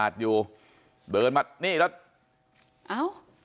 เดินมานี่พะ